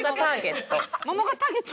「桃がターゲット」？